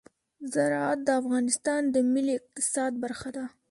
زراعت د افغانستان د ملي اقتصاد برخه ده.